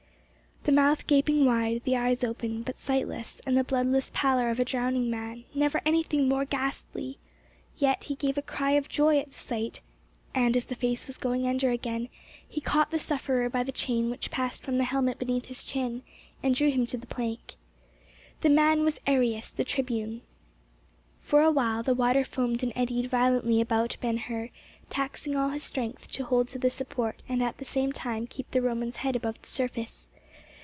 The mouth gaping wide; the eyes open, but sightless, and the bloodless pallor of a drowning man—never anything more ghastly! Yet he gave a cry of joy at the sight, and as the face was going under again, he caught the sufferer by the chain which passed from the helmet beneath the chin, and drew him to the plank. The man was Arrius, the tribune. For a while the water foamed and eddied violently about Ben Hur, taxing all his strength to hold to the support and at the same time keep the Roman's head above the surface.